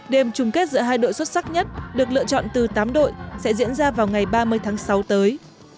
đêm chung kết giữa hai đội xuất sắc nhất được lựa chọn từ tám đội sẽ diễn ra vào ngày ba mươi tháng sáu tới